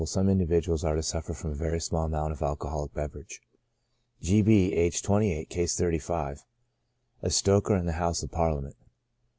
4J some Individuals are to suffer from a very small amount of alcoholic beverage. G. B —, aged 28, (Case 35,) a stoker in the House of Parliament.